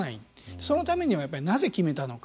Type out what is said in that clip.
そのためにはなぜ決めたのか。